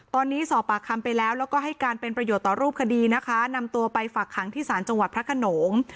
ตอนนี้สอบปากคำไปแล้วแล้วก็ให้การเป็นประโยชน์ต่อรูปคดีนะคะนำตัวไปฝักขังที่ศาลจังหวัดพระขนง